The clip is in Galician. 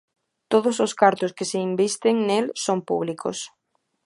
Todos os cartos que se invisten nel son públicos.